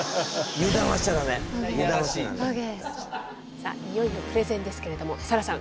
さあいよいよプレゼンですけれどもサラさん